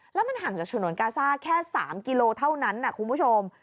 แล้วมันห่างจากฉนวนกาซ่าแค่๓กิโลเท่านั้นนะคุณผู้ชม